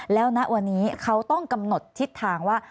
แล้วณวันนี้เขาต้องกำหนดทิศทางว่า